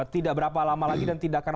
tidak berapa lama lagi dan tidak akan